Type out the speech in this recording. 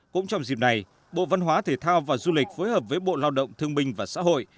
cũng trong dịp này bộ văn hóa thể thao và du lịch phối hợp với bộ lao động thương binh và xã hội